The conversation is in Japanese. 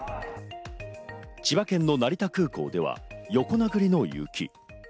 千葉県の成田空港では横殴りの雪。